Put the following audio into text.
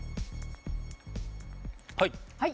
はい。